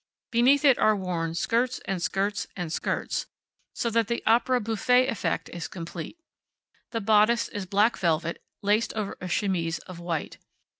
Beneath it are worn skirts and skirts, and skirts, so that the opera bouffe effect is complete. The bodice is black velvet, laced over a chemise of white.